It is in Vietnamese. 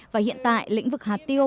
và hiện tại lĩnh vực hạt tiêu